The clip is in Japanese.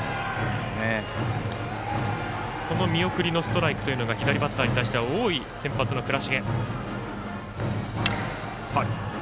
この見送りのストライクというのが左バッターに対しては多い先発の倉重。